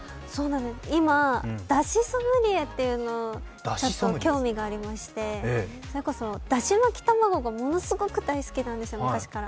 今、だしソムリエっていうのをちょっと興味がありましてそれこそ、だし巻き卵がものすごく大好きなんですよ、昔から。